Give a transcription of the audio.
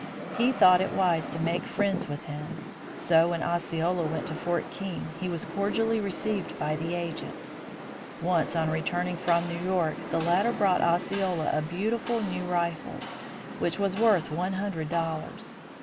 He thought it wise to make friends with him. So when Osceola went to Fort King he was cordially received by the agent. Once on returning from New York the latter brought Osceola a beautiful new rifle, which was worth one hundred dollars.